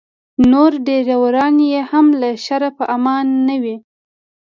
نور ډریوران یې هم له شره په امن نه وي.